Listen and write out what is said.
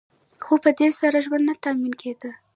خو په دې سره ژوند نه تأمین کیده.